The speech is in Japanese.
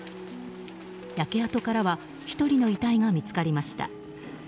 焼け跡からは１人の遺体が見つかりました。